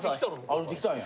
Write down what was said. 歩いてきたんや？